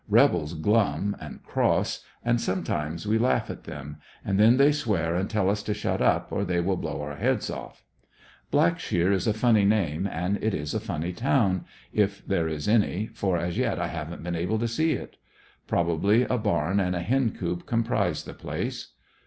Rebels glum and cross, and sometimes we laugh at them, and then they swear and tell us to shut up or they will blow our heads off. Blackshear is a funny name and it is a funny town, if there is any, for as yet I haven't been able to see it. Probably a barn and a hen coop comprise the place.